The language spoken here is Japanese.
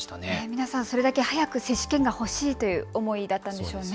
皆さん、それだけ早く接種券が欲しいという思いだったんですね。